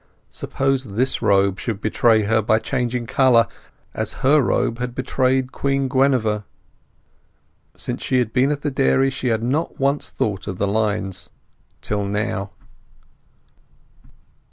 Suppose this robe should betray her by changing colour, as her robe had betrayed Queen Guinevere. Since she had been at the dairy she had not once thought of the lines till now.